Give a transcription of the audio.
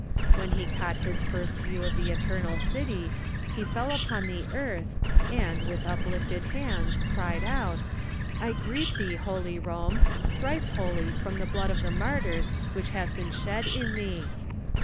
When he caught his first view of the Eter 218 THE REFORMATION nal City he fell upon the cavth, and, with uplifted hands, cried out :" I greet thee. Holy Rome, thrice holy from the blood of the martyrs which has been shed in thee